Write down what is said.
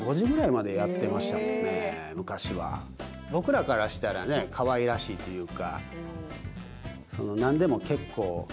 僕らからしたらねかわいらしいというか。